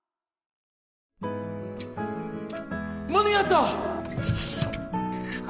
間に合った！